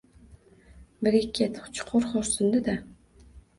Brekket chuqur xo`rsindi-da